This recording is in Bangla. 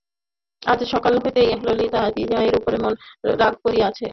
আজ সকাল হইতেই ললিতা বিনয়ের উপর মনে মনে রাগ করিয়া আছে।